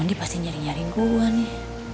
mondi pasti nyari nyariin gue nih